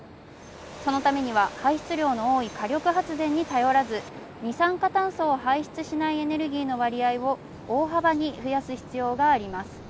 そのためには排出量の多い火力発電に頼らず二酸化炭素を排出しないエネルギーの割合を大幅に増やす必要があります。